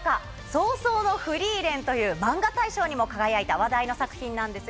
『葬送のフリーレン』というマンガ大賞にも輝いた話題の作品なんですが。